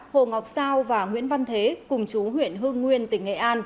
hồ ngọc sao và nguyễn văn thế cùng chú huyện hương nguyên tỉnh nghệ an